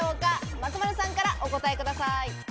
松丸さんからお答えください。